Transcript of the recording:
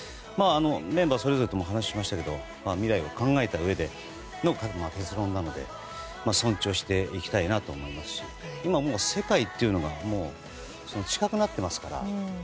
メンバーそれぞれとも話しましたが未来を考えたうえでの結論なので尊重していきたいなと思いますし今、もう世界というのが近くなっていますから。